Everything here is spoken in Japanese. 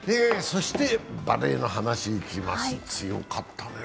そして、バレーの話行きます強かったね。